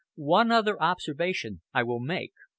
One other observation I will make.